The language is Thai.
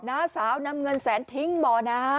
น้าสาวนำเงินแสนทิ้งบ่อน้ำ